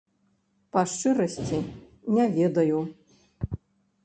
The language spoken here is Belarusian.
Па шчырасці, не ведаю.